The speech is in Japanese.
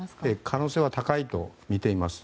可能性は高いとみています。